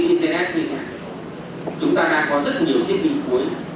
thông tin internet như thế này chúng ta đang có rất nhiều thiết bị cuối